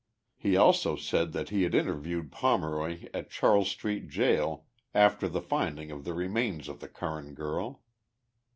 He also said that he had interviewed Pomeroy at Charles Street jail after the finding of the remains of the Curran girl.